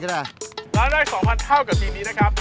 ร้านได้๒๐๐เท่ากับปีนี้นะครับ